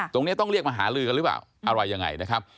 ตรงนี้ต้องเรียกมาหาลือกันหรือเปล่าอะไรยังไงนะครับ